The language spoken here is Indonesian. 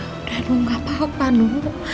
udah nu gapapa nu